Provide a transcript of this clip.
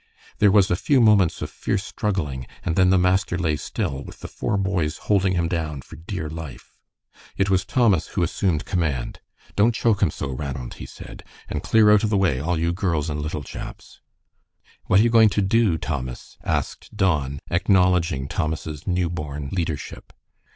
There was a few moments of fierce struggling, and then the master lay still, with the four boys holding him down for dear life. It was Thomas who assumed command. "Don't choke him so, Ranald," he said. "And clear out of the way, all you girls and little chaps." "What are you going to do, Thomas?" asked Don, acknowledging Thomas's new born leadership.